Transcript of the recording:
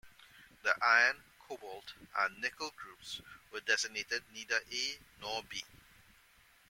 The iron, cobalt, and nickel groups were designated neither A nor B.